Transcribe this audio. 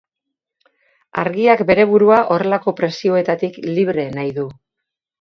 Argiak bere burua horrelako presioetatik libre nahi du.